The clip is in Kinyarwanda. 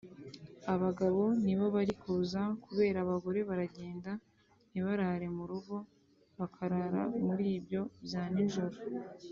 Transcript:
abagabo nibo bari kuza kubera abagore baragenda ntibarare mu rugo bakarara muri ibyo bya nijoro